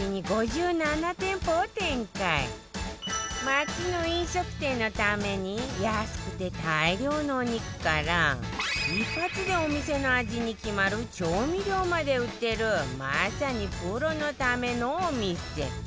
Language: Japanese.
街の飲食店のために安くて大量のお肉から一発でお店の味に決まる調味料まで売ってるまさにプロのためのお店